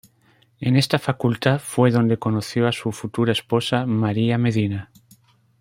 En esta facultad fue donde conoció a su futura esposa María Medina.